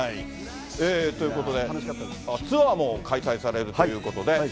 ということでツアーも開催されるということで。